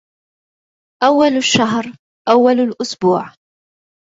أول الشهر أول الأسبوع